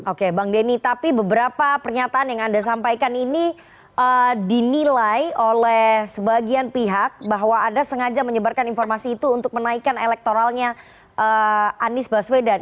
oke bang denny tapi beberapa pernyataan yang anda sampaikan ini dinilai oleh sebagian pihak bahwa anda sengaja menyebarkan informasi itu untuk menaikkan elektoralnya anies baswedan